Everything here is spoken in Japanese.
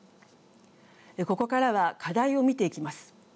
ここからは課題を見ていきます。